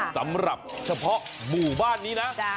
สำหรับเฉพาะหมู่บ้านนี้นะ